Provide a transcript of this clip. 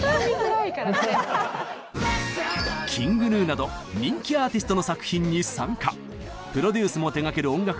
ＫｉｎｇＧｎｕなど人気アーティストの作品に参加プロデュースも手がける音楽